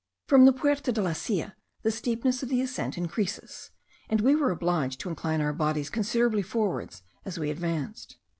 From the Puerta de la Silla the steepness of the ascent increases, and we were obliged to incline our bodies considerably forwards as we advanced.